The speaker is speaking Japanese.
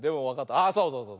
あっそうそうそう。